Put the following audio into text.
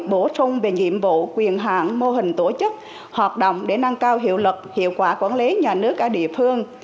bổ sung về nhiệm vụ quyền hạn mô hình tổ chức hoạt động để nâng cao hiệu lực hiệu quả quản lý nhà nước ở địa phương